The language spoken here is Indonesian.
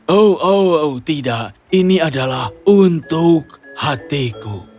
oh oh tidak ini adalah untuk hatiku